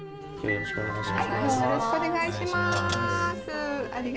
よろしくお願いします。